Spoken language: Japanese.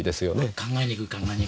考えにくい考えにくい。